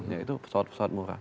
ya itu pesawat pesawat murah